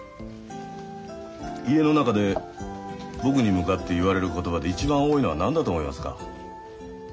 家の中で僕に向かって言われる言葉で一番多いのは何だと思いますか？